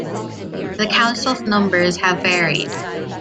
The council's numbers have varied.